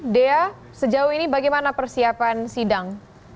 dea sejauh ini bagaimana persiapan sidang